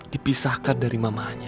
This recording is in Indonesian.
dipisahkan dari mamanya